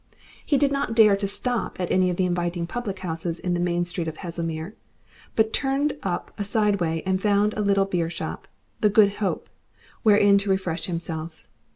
He did not dare to stop at any of the inviting public houses in the main street of Haslemere, but turned up a side way and found a little beer shop, the Good Hope, wherein to refresh himself.